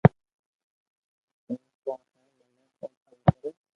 ايم ڪون ھي مني ڪون تنگ ڪري